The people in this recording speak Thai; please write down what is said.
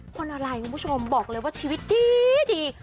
คนอะไรคุณผู้ชมบอกเลยว่าชีวิตดี